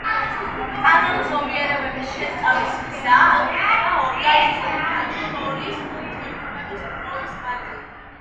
კანონზომიერებების შესწავლის გზა აკვირდება ორგანიზმთა შორის ურთიერთობებს დროის მანძილზე.